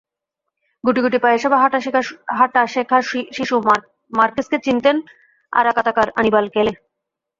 গুটি গুটি পায়ে সবে হাঁটা শেখা শিশু মার্কেসকে চিনতেন আরাকাতাকার আনিবাল ক্যালে।